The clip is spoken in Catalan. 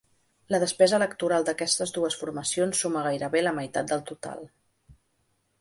La despesa electoral d’aquestes dues formacions suma gairebé la meitat del total.